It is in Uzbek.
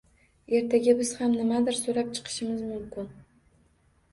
Ertaga biz ham nimadir so‘rab chiqishimiz mumkin